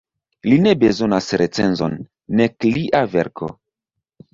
Li ne bezonas recenzon, nek lia verko.